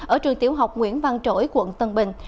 ở trường tiểu học nguyễn văn trỗi quận tân bình